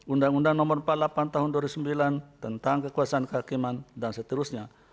undang undang no empat puluh delapan tahun dua ribu sembilan tentang kekuasaan kehakiman dan seterusnya